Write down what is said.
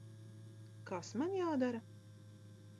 Kas man jādara?